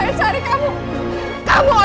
nanti saya akan mau ngejengkel